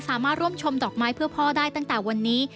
สามารถร่วมชมดอกไม้เพื่อพ่อได้ตั้งแต่วันนี้